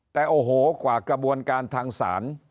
แต่โอ้โหกว่ากระบวนการทางศาล